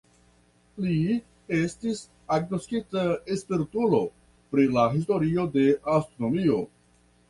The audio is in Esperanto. Li estis agnoskita spertulo pri la historio de astronomio.